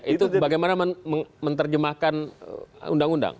itu bagaimana menerjemahkan undang undang